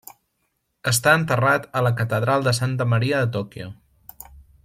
Està enterrat a la catedral de Santa Maria de Tòquio.